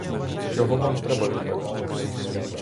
Чого вам треба від мене?